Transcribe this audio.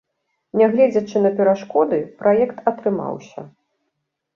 Нягледзячы на перашкоды, праект атрымаўся.